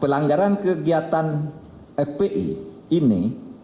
pelanggaran kegiatan fpi ini